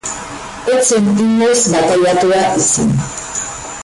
Ez zen inoiz bataiatua izan.